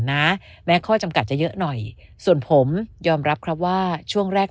นะแม้ข้อจำกัดจะเยอะหน่อยส่วนผมยอมรับครับว่าช่วงแรก